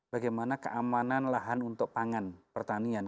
bagaimana keamanan lahan untuk pangan pertanian